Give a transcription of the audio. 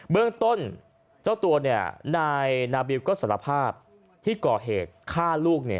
เบื้องต้นเจ้าตัวนายนาบิวก็สารภาพที่ก่อเหตุฆ่าลูก